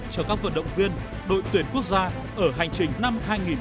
cho các vận động viên đội tuyển quốc gia ở hành trình năm hai nghìn một mươi tám